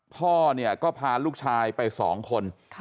พ่อเนี่ยก็พาลูกชายไป๒คน